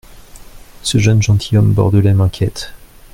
Ce jeune gentilhomme bordelais m’inquiète.